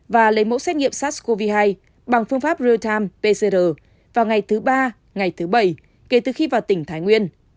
và lấy mẫu xét nghiệm sars cov hai bằng phương pháp real time pcr vào ngày thứ ba ngày thứ bảy kể từ khi vào tỉnh thái nguyên